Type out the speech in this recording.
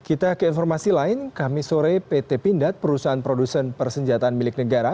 kita ke informasi lain kami sore pt pindad perusahaan produsen persenjataan milik negara